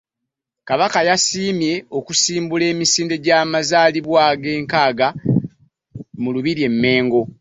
Kabaka yasiimye okusimbula emisinde gy'amazaalibwa ag'enkaaga mu Lubiri e Mmengo.